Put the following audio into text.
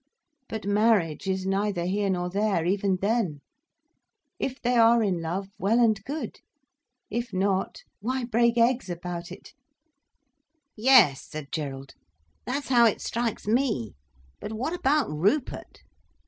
But marriage is neither here nor there, even then. If they are in love, well and good. If not—why break eggs about it!" "Yes," said Gerald. "That's how it strikes me. But what about Rupert?"